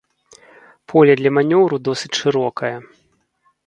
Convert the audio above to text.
Поле для манеўру досыць шырокае.